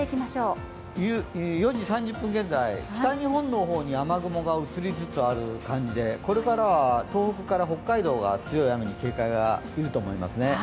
４時３０分現在、北日本の方に雨雲が移りつつある感じでこれからは東北から北海道が強い雨に警戒がいると思います。